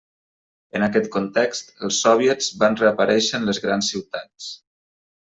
En aquest context, els sòviets va reaparèixer en les grans ciutats.